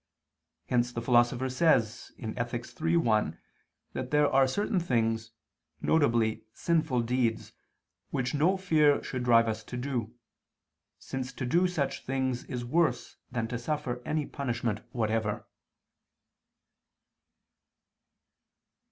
Hence the Philosopher says (Ethic. iii, 1) that there are certain things, viz. sinful deeds, which no fear should drive us to do, since to do such things is worse than to suffer any punishment whatever.